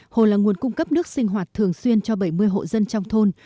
hồ là nguồn cung cấp nước sinh hoạt thường xuyên cho bảy mươi hộ dân trong thôn